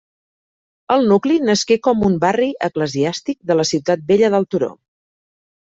El nucli nasqué com un barri eclesiàstic de la ciutat vella del turó.